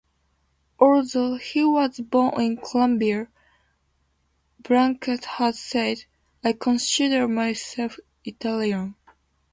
Although he was born in Colombia, Brancato has said, I consider myself Italian.